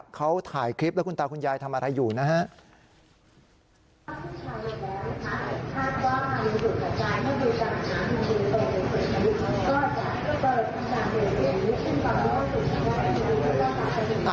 เขาถ่ายคลิปแล้วคุณตาคุณยายทำอะไรอยู่นะฮะ